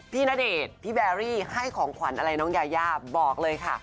ณเดชน์พี่แบรี่ให้ของขวัญอะไรน้องยายาบอกเลยค่ะ